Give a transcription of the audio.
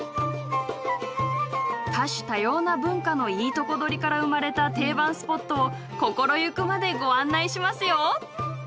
多種多様な文化のいいとこ取りから生まれた定番スポットを心ゆくまでご案内しますよ！